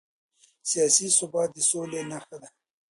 سیاسي ثبات د سولې نښه ده